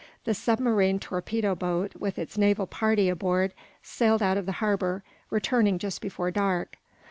The submarine torpedo boat, with its naval party aboard, sailed out of the harbor, returning just before dark.